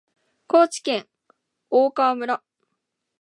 高知県大川村